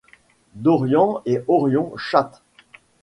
Dorian et Orion chattent.